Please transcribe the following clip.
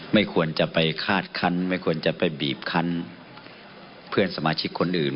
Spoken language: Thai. ไม่ควรจะไปคาดคันไม่ควรจะไปบีบคันเพื่อนสมาชิกคนอื่น